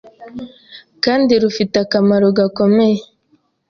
kandi rufite akamaro gakomeye